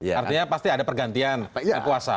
artinya pasti ada pergantian kekuasaan